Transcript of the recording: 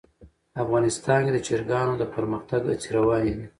افغانستان کې د چرګانو د پرمختګ هڅې روانې دي.